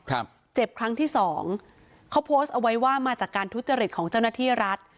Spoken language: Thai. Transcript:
เจ็บครั้งที่สองเขาโพสต์เอาไว้ว่ามาจากการทุจริตของเจ้าหน้าที่รัฐ